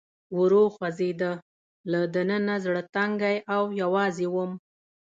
ورو خوځېده، له دننه زړه تنګی او یوازې ووم.